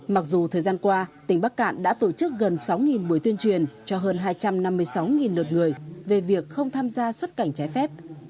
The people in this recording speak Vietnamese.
mặc dù thời gian qua tỉnh bắc cạn đã tổ chức gần sáu buổi tuyên truyền cho hơn hai trăm năm mươi sáu lượt người về việc không tham gia xuất cảnh trái phép